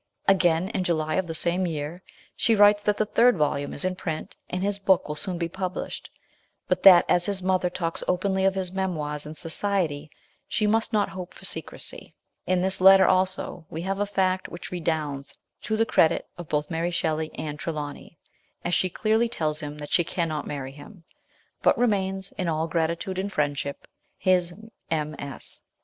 Again, in July of the same year, she writes that the third volume is in print, and his book will soon be published ; but that as his mother talks openly of his memoirs in society, he must not hope for secrecy. In this letter, also, we have a fact which redounds to the credit of both Mary Shelley and Trelawny, as she clearly tells him she cannot marry him ; but remains in " all gratitude and friendship " his M. S.